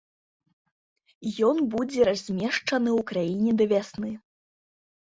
Ён будзе размешчаны ў краіне да вясны.